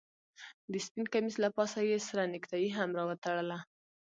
د سپين کميس له پاسه يې سره نيكټايي هم راوتړله.